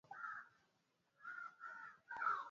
ulikuwa naami mtayarishaji na msimamizi wako karuma sangamwe